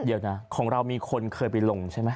เดี๋ยวนะของเรามีคนเคยไปลงใช่ไหม